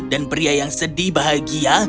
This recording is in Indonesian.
dan pria yang sedih bahagia